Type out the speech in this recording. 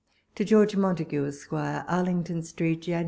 To George Montagu, Esq. Arlington Street, Jan.